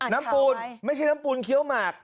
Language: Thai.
ปูนไม่ใช่น้ำปูนเคี้ยวหมาก